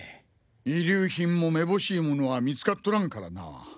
遺留品もめぼしい物は見つかっとらんからなぁ。